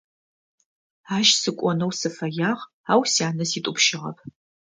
Ащ сыкӀонэу сыфэягъ, ау сянэ ситӀупщыгъэп.